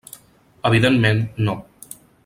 Evidentment, no.